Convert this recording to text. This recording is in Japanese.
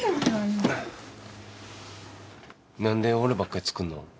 何で俺ばっかり作るの？